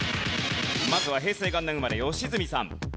まずは平成元年生まれ吉住さん。